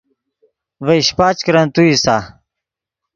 ڤے شیپچ کرن تو اِیسا